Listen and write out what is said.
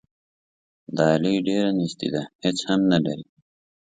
د علي ډېره نیستي ده، هېڅ هم نه لري.